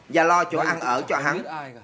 và lo chỗ ăn ở cho hắn